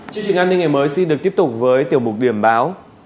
chương trình an ninh ngày mới xin được tiếp tục với tiểu mục điểm báo